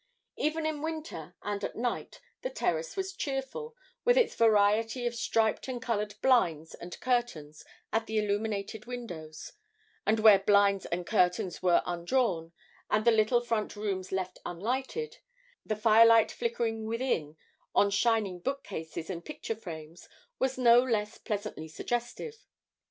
Even in winter and at night the terrace was cheerful, with its variety of striped and coloured blinds and curtains at the illuminated windows; and where blinds and curtains were undrawn and the little front rooms left unlighted, the firelight flickering within on shining bookcases and picture frames was no less pleasantly suggestive.